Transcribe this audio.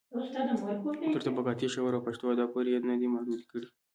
تر طبقاتي شعور او پښتو ادب پورې يې نه دي محدوې کړي.